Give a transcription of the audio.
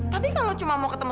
tapi kalau cuma mau ketemu